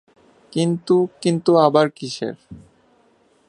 কিন্তু– কিন্তু আবার কিসের।